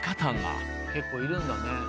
結構いるんだね。